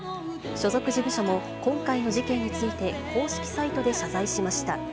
所属事務所も、今回の事件について、公式サイトで謝罪しました。